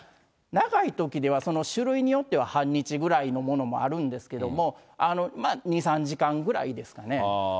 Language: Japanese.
長いときでは、その種類によっては半日ぐらいのものもあるんですけども、まあ２、３時間ぐらいですかね。